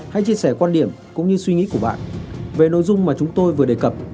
hãy chia sẻ quan điểm cũng như suy nghĩ của bạn về nội dung mà chúng tôi vừa đề cập